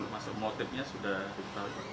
maksudnya motifnya sudah diperlukan